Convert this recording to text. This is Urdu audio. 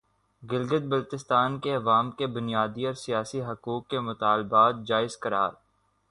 گلگت بلتستان کے عوام کے بنیادی اور سیاسی حقوق کے مطالبات جائز قرار